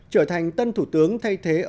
trở thành tân thủ tướng thay thế ông biden